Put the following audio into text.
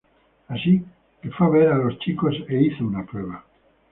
Así que fue a ver a los chicos e hizo una prueba.